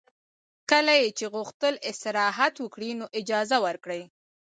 کله یې چې غوښتل استراحت وکړي نو اجازه ورکړئ